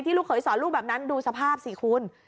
ลูกเขยสอนลูกแบบนั้นดูสภาพสิคุณ